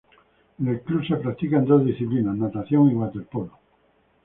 En el club se practican dos disciplinas: natación y waterpolo.